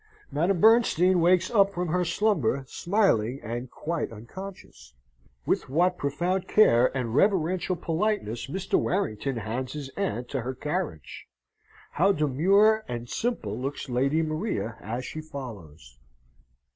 Madame Bernstein wakes up from her slumber, smiling and quite unconscious. With what profound care and reverential politeness Mr. Warrington hands his aunt to her carriage! how demure and simple looks Lady Maria as she follows!